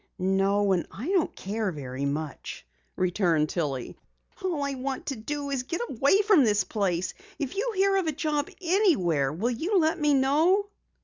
"No, and I don't care very much," returned Tillie. "All I want to do is get away from this place. If you hear of a job anywhere will you let me know?"